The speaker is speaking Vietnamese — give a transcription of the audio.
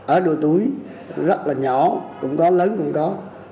ở đôi túi rất là nhỏ cũng có lớn cũng có